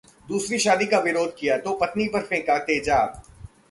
दूसरी शादी का विरोध किया तो पत्नी पर फेंका तेजाब